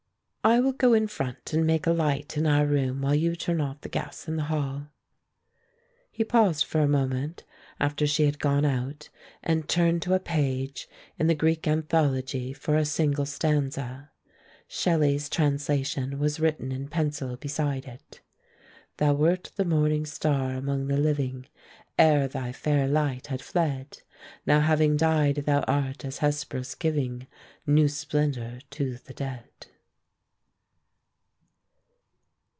"I will go in front and make a light in our room while you turn off the gas in the hall." He paused for a moment after she had gone out and turned to a page in the Greek Anthology for a single stanza. Shelley's translation was written in pencil beside it: Thou wert the morning star among the living, Ere thy fair light had fled; Now, having died, thou art as Hesperus giving New splendor to the dead.